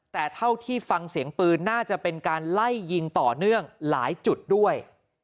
แต่เท่าที่ฟังเสียงปืนน่าจะเป็นการไล่ยิงต่อเนื่องหลายจุดด้วย